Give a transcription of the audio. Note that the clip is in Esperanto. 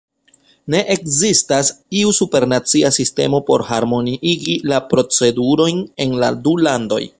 Ne ekzistas iu supernacia sistemo por harmoniigi la procedurojn en la du landoj.